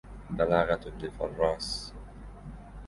بلاغة ابن فراس